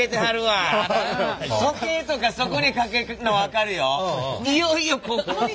時計とかそこにかけるのは分かるよ。